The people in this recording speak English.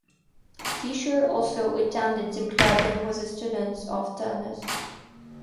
Fischer also attended the club and was a student of Turner's.